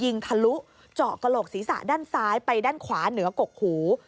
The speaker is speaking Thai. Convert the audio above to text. ทะลุเจาะกระโหลกศีรษะด้านซ้ายไปด้านขวาเหนือกกหู